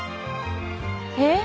えっ？